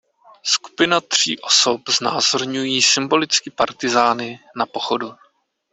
Skupina tři osob znázorňují symbolicky partyzány na pochodu.